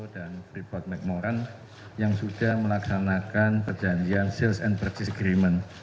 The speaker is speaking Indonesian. dan freeport mcmoran yang sudah melaksanakan perjanjian sales and purchase agreement